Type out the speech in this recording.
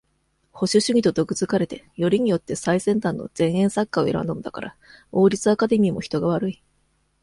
保守主義と毒づかれて、よりによって、最先端の前衛作家を選んだのだから、王立アカデミーも人が悪い。